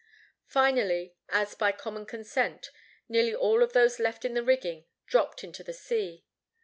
Finally, as by common consent, nearly all of those left in the rigging dropped into the sea.